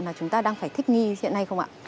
mà chúng ta đang phải thích nghi hiện nay không ạ